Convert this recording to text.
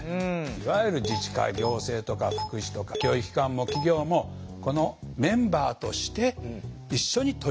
いわゆる自治会行政とか福祉とか教育機関も企業もこのメンバーとして一緒に取り組もうと。